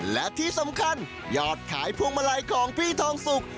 และที่สำคัญยอดขายพวงมาลัยของพี่ทองสุก